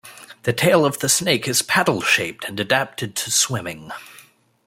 The tail of the snake is paddle-shaped and adapted to swimming.